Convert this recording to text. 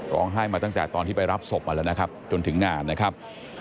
ร้องไห้มาตั้งแต่ตอนที่ไปรับศพมาแล้วนะครับจนถึงงานนะครับ